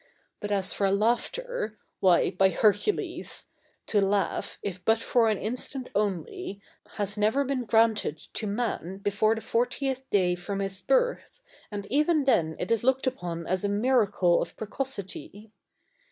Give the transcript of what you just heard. But as for laughter, why, by Hercules!—to laugh, if but for an instant only, has never been granted to man before the fortieth day from his birth, and even then it is looked upon as a miracle of precocity.